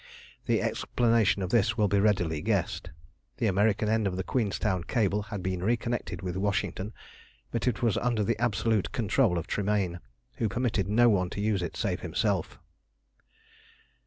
The explanation of this will be readily guessed. The American end of the Queenstown cable had been reconnected with Washington, but it was under the absolute control of Tremayne, who permitted no one to use it save himself.